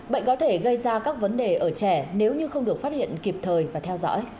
bệnh có thể gây ra các vấn đề ở trẻ nếu như không được phát hiện kịp thời và theo dõi